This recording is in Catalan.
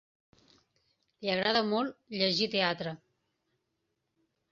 Li agrada molt llegir teatre.